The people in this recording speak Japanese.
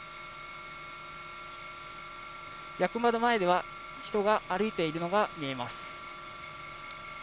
役場の前では人が歩いているのが見えます。